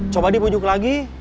coba dipujuk lagi